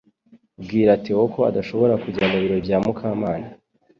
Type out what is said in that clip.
Bwira Theo ko adashobora kujya mubirori bya Mukamana